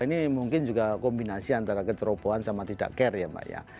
ini mungkin juga kombinasi antara kecerobohan sama tidak care ya mbak ya